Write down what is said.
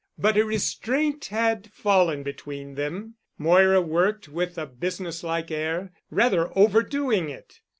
But a restraint had fallen between them. Moira worked with a business like air, rather overdoing it.